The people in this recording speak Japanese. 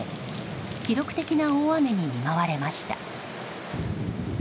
記録的な大雨に見舞われました。